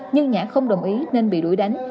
nhưng nhã không đồng ý nên bị đuổi đánh